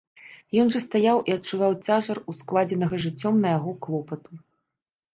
Ён жа стаяў і адчуваў цяжар ускладзенага жыццём на яго клопату.